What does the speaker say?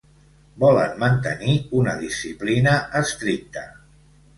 Volen mantenir una disciplina estricta.